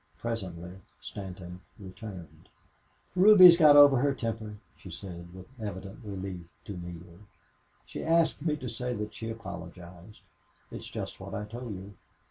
Presently Stanton returned. "Ruby's got over her temper," she said, with evident relief, to Neale. "She asked me to say that she apologized. It's just what I told you.